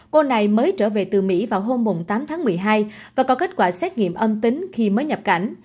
cô này mới trở về từ mỹ vào hôm tám tháng một mươi hai và có kết quả xét nghiệm âm tính khi mới nhập cảnh